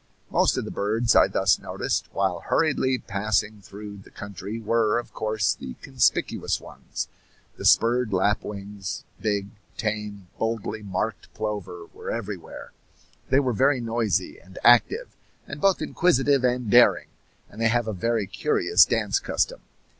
Most of the birds I thus noticed while hurriedly passing through the country were, of course, the conspicuous ones. The spurred lapwings, big, tame, boldly marked plover, were everywhere; they were very noisy and active and both inquisitive and daring, and they have a very curious dance custom.